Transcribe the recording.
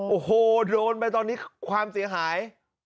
โอ้โหโดนไปตอนนี้ความเสียหาย